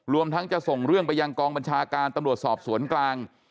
ทั้งจะส่งเรื่องไปยังกองบัญชาการตำรวจสอบสวนกลาง